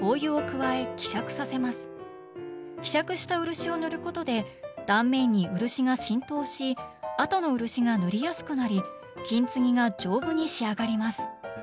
希釈した漆を塗ることで断面に漆が浸透しあとの漆が塗りやすくなり金継ぎが丈夫に仕上がります。